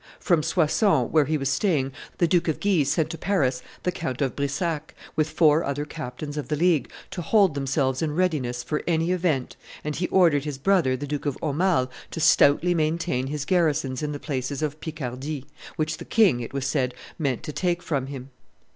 From Soissons, where he was staying, the Duke of Guise sent to Paris the Count of Brissac, with four other captains of the League, to hold themselves in readiness for any event, and he ordered his brother the Duke of Aumale to stoutly maintain his garrisons in the places of Picardy, which the king, it was said, meant to take from him.